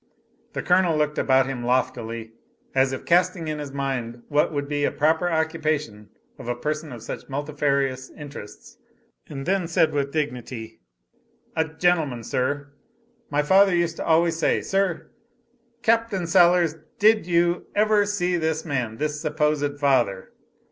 The Colonel looked about him loftily, as if casting in his mind what would be the proper occupation of a person of such multifarious interests and then said with dignity: "A gentleman, sir. My father used to always say, sir" "Capt. Sellers, did you ever see this man, this supposed father?"